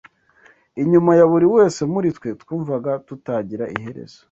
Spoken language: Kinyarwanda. Inyuma ya buri wese muri twe twumvaga tutagira iherezo